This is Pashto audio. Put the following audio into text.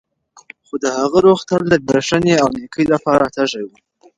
خو د هغه روح تل د بښنې او نېکۍ لپاره تږی و.